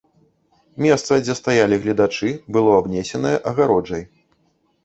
Месца, дзе стаялі гледачы, было абнесенае агароджай.